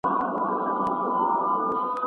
سر په سجده ښکته کړي،